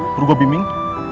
pergi gue bimbing